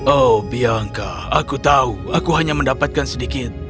oh biangka aku tahu aku hanya mendapatkan sedikit